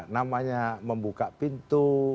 namanya membuka pintu